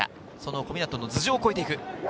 小湊の頭上を越えていく。